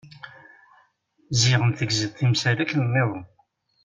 Ziɣen tegziḍ timsal akken-nniḍen.